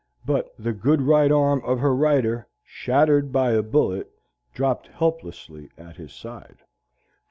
But the good right arm of her rider, shattered by a bullet, dropped helplessly at his side.